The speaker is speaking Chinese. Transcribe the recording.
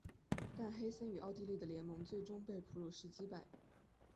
但黑森与奥地利的联盟最终被普鲁士击败。